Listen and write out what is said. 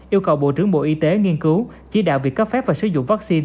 yêu cầu bộ trưởng bộ y tế nghiên cứu chỉ đạo việc cấp phép và sử dụng vaccine